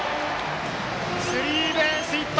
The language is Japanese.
スリーベースヒット！